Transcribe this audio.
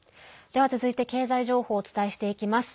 では、続いて経済情報をお伝えしていきます。